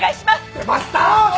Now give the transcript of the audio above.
出ました！